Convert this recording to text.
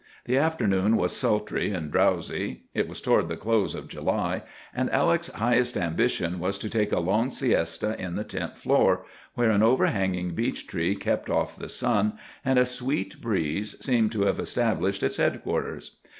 The afternoon was sultry and drowsy,—it was toward the close of July,—and Alec's highest ambition was to take a long siesta in the tent door, where an overhanging beech tree kept off the sun, and a sweet breeze seemed to have established its headquarters.